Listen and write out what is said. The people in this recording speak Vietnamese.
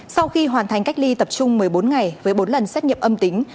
sau khi hoàn thành cách ly tập trung một mươi bốn ngày với bốn lần xét nghiệm âm tính